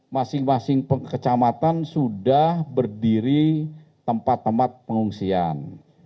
masing masing kecamatan sudah berdiri tempat tempat pengungsian